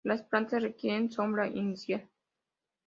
Las plantas requieren sombra inicial.